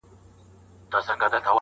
چي سي طوق د غلامۍ د چا په غاړه -